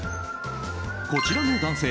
こちらの男性